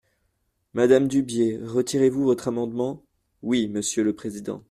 Madame Dubié, retirez-vous votre amendement ? Oui, monsieur le président.